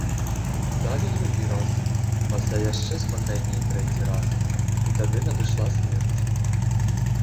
Далі другі раз, пасля яшчэ спакайней трэці раз, і тады надышла смерць.